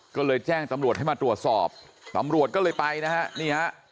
ก็เลยแจ้งตำรวจให้มาตรวจสอบตำรวจก็เลยไปนะฮะนี่ฮะ